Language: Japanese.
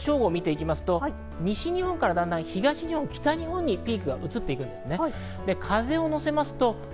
正午を見ていきますと、西日本からだんだん東日本、北日本にピークが移っていくんですね。